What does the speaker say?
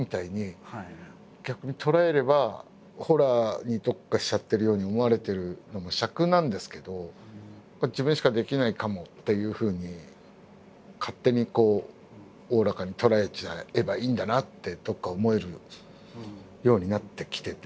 ホラーに特化しちゃってるように思われてるのもしゃくなんですけど自分しかできないかもっていうふうに勝手にこうおおらかに捉えちゃえばいいんだなってどこか思えるようになってきてて。